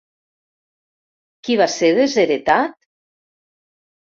Qui va ser desheretat?